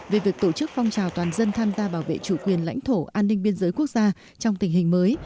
về việc tổ chức phong trào toàn dân tham gia bảo vệ chủ quyền lãnh thổ an ninh biên giới quốc gia trong tình hình mới